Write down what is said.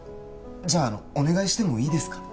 じゃああのお願いしてもいいですか？